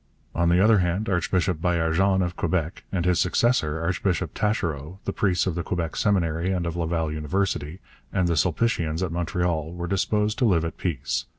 On the other hand, Archbishop Baillargeon of Quebec and his successor, Archbishop Taschereau, the priests of the Quebec Seminary and of Laval University, and the Sulpicians at Montreal, were disposed to live at peace.